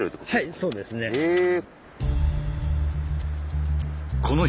はいそうですね。へえ。